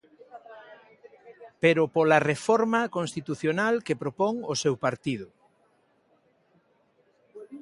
Pero pola reforma constitucional que propón o seu partido.